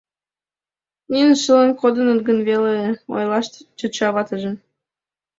Нине шылын кодыныт гын веле! — ойлаш тӧча ватыже.